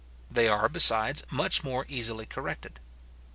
They are, besides, much more easily corrected.